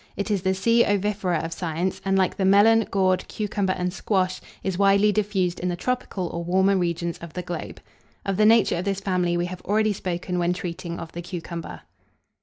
It is the C. ovifera of science, and, like the melon, gourd, cucumber, and squash, is widely diffused in the tropical or warmer regions of the globe. Of the nature of this family we have already spoken when treating of the cucumber.